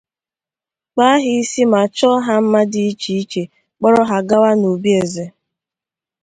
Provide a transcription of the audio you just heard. kpaa ha isi ma chọọ ha mma dị iche iche kpọrọ ha gawa n’obi eze.